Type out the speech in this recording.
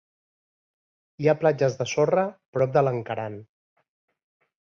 Hi ha platges de sorra prop de Lankaran.